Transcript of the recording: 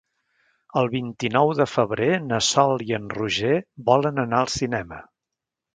El vint-i-nou de febrer na Sol i en Roger volen anar al cinema.